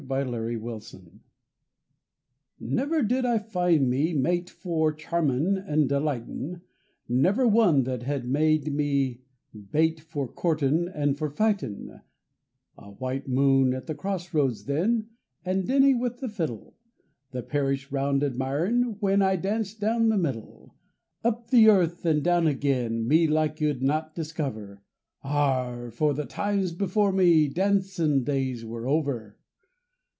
HIS DANCING DAYS Never did I find me mate for charmin' an' delightin', Never one that had me bate for courtin' an' for fightin'; (A white moon at the crossroads then, and Denny with the fiddle; The parish round admirin', when I danced down the middle.) Up the earth and down again, me like you'd not discover; Arrah! for the times before me dancin' days were over!